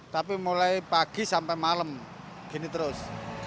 tapi mulai pagi sampai malam gini terus